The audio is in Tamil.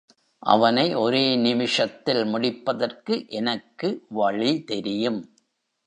அவனை ஒரே நிமிஷத்தில் முடிப்பதற்கு எனக்கு வழி தெரியும்.